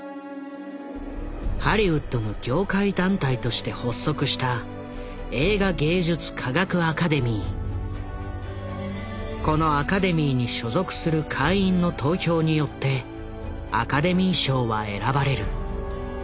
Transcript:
ハリウッドの業界団体として発足したこのアカデミーに所属する会員の投票によってアカデミー賞は選ばれる。